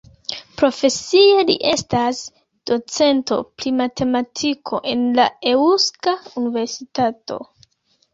Profesie li estas docento pri matematiko en la Eŭska Universitato.